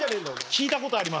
聞いたことあります。